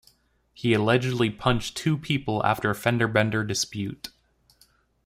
He allegedly punched two people after a fender bender dispute.